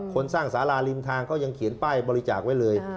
สร้างสาราริมทางเขายังเขียนป้ายบริจาคไว้เลย